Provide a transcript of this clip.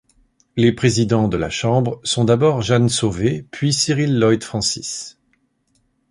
Les présidents de la Chambre sont d'abord Jeanne Sauvé puis Cyril Lloyd Francis.